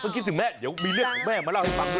ไม่คิดถึงแม่เดี๋ยวมีเรื่องแม่มาเล่าให้ฟังด้วย